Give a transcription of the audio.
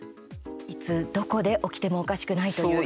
いつ、どこで起きてもおかしくないという意識を。